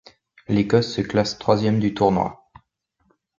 L'Écosse se classe troisième du tournoi.